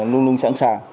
luôn luôn sẵn sàng